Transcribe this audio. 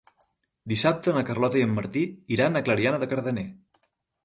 Dissabte na Carlota i en Martí iran a Clariana de Cardener.